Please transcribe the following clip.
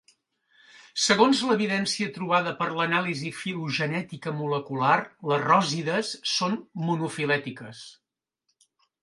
Segons l'evidència trobada per l'anàlisi filogenètica molecular, les ròsides són monofilètiques.